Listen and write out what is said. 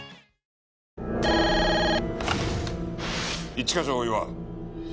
一課長大岩。